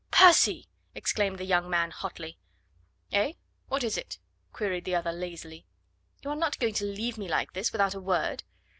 "Percy!" exclaimed the young man hotly. "Eh? What is it?" queried the other lazily. "You are not going to leave me like this without a word?"